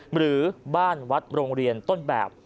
หรือบ้านวัดโรงเรียนต้นแบบ